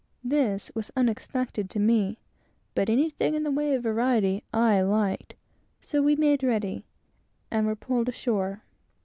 This was unexpected to me; but anything in the way of variety I liked; so we got ready, and were pulled ashore.